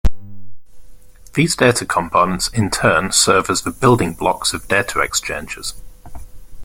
These data components in turn serve as the "building blocks" of data exchanges.